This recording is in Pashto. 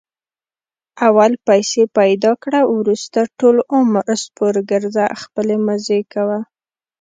اول پیسې پیدا کړه، ورسته ټول عمر سپورګرځه خپلې مزې کوه.